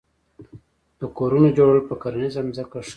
د کورونو جوړول په کرنیزه ځمکه ښه دي؟